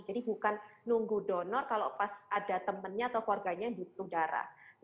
jadi bukan nunggu donor kalau pas ada temannya atau keluarganya yang butuh darah